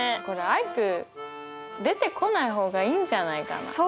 これアイク出てこない方がいいんじゃないかな？